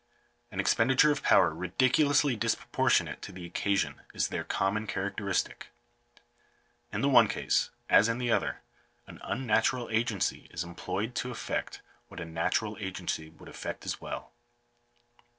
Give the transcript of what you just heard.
An expenditure of power ridiculously disproportionate to the occasion is their common characteristic. In the one case, as in the other, an unnatural agency is em ployed to effect what a natural agency would effect as well.